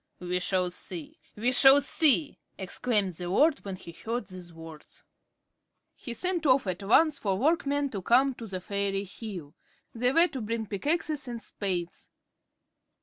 "We shall see! We shall see!" exclaimed the lord when he heard these words. He sent off at once for workmen to come to the fairy hill. They were to bring pickaxes and spades.